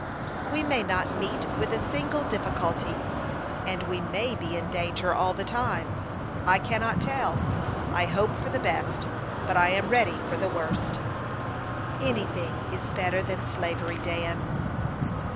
"We may not meet with a single difficulty, and we may be in danger all the time. I cannot tell. I hope for the best, but I am ready for the worst." "Any thing is better than slavery, Dan."